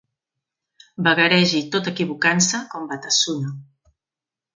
Vagaregi tot equivocant-se com Batasuna.